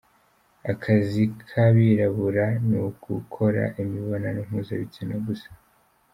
Akazi k’abirabura ni ugukora imibonano mpuzabitsina gusa.